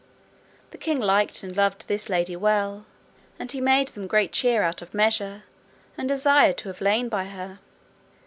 The king liked and loved this lady well, and he made them great cheer out of measure, and desired to have lain by her.